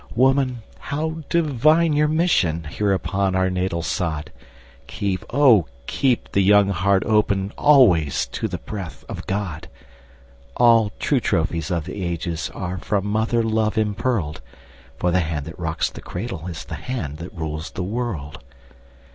Woman, how divine your mission Here upon our natal sod! Keep, oh, keep the young heart open Always to the breath of God! All true trophies of the ages Are from mother love impearled; For the hand that rocks the cradle Is the hand that rules the world.